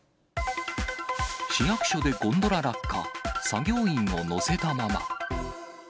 市役所でゴンドラ落下、作業員を乗せたまま。